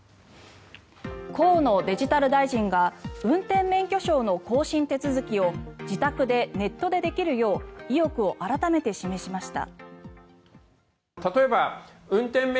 河野デジタル大臣が運転免許証の更新手続きを自宅でネットでできるよう意欲を改めて示しました。